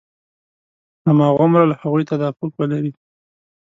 هماغومره له هغوی تطابق ولري.